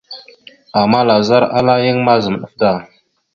Ama lazar ala yan mazam ɗaf da.